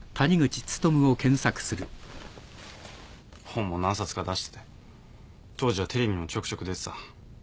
本も何冊か出してて当時はテレビにもちょくちょく出てた。